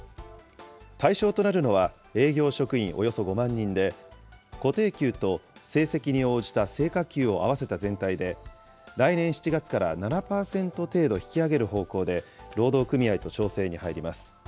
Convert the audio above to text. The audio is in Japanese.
対象となるのは、営業職員およそ５万人で、固定給と成績に応じた成果給を合わせた全体で、来年７月から７％程度引き上げる方向で、労働組合と調整に入ります。